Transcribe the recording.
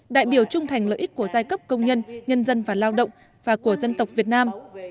đại biểu trung thành lợi ích của giai cấp công nhân nhân dân và lao động và của dân tộc việt nam